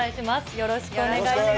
よろしくお願いします。